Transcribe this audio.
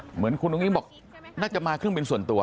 เหมือนคุณอุ้งอิ๊งบอกน่าจะมาเครื่องบินส่วนตัว